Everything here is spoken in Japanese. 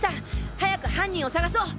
早く犯人を捜そう！